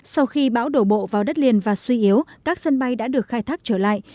sau khi bão đổ bộ vào đất liền và suy yếu các sân bay đã được khai thác trở lại